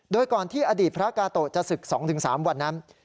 โดยก่อนที่อดีตพระกาโตะจะศึก๒๓วันนั้น